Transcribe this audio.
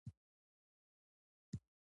هغه د خزان په بڼه د مینې سمبول جوړ کړ.